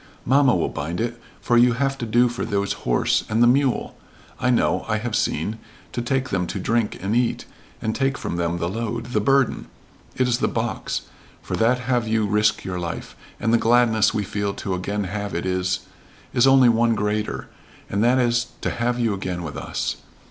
"Mamma will bind it, for you have to do for those horse and the mule. I know I have seen to take them to drink and eat, and take from them the load the burden. It is the box for that have you risk your life, and the gladness we feel to again have it is is only one greater and that is to have you again with us.